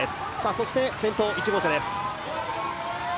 そして先頭、１号車です。